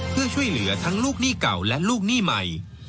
เพื่อช่วยเหลือทั้งลูกหนี้เก่าและลูกหนี้ใหม่